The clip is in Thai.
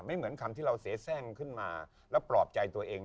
เหมือนคำที่เราเสียแทร่งขึ้นมาแล้วปลอบใจตัวเอง